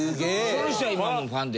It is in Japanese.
その人は今もファンで？